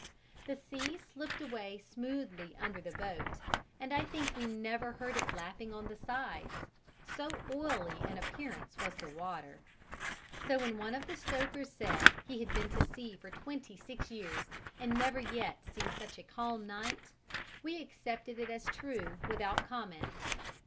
The sea slipped away smoothly under the boat, and I think we never heard it lapping on the sides, so oily in appearance was the water. So when one of the stokers said he had been to sea for twenty six years and never yet seen such a calm night, we accepted it as true without comment.